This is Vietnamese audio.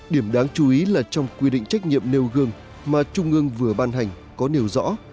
điểm đáng chú ý là trong quy định trách nhiệm nêu gương mà trung ương vừa ban hành có nêu rõ